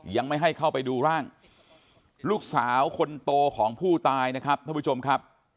ยังไม่ให้เข้าไปดูร่างลูกสาวคนโตของผู้ตายนะครับท่านผู้ชมครับ